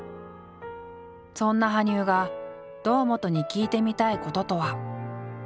そんな羽生が堂本に聞いてみたいこととは。